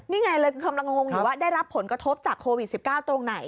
นี่ไงเลยกำลังงงอยู่ว่าได้รับผลกระทบจากโควิด๑๙ตรงไหน